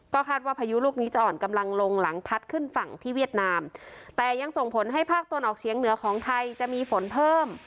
คาดว่าพายุลูกนี้จะอ่อนกำลังลงหลังพัดขึ้นฝั่งที่เวียดนามแต่ยังส่งผลให้ภาคตะวันออกเฉียงเหนือของไทยจะมีฝนเพิ่ม